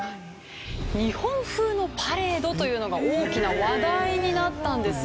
日本風のパレードというのが大きな話題になったんですよ。